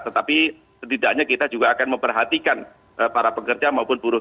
tetapi setidaknya kita juga akan memperhatikan para pekerja maupun buruh